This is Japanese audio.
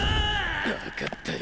分かったよ。